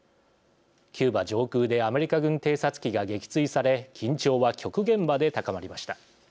キューバ上空でアメリカ軍偵察機が撃墜され緊張は極限まで高まりました。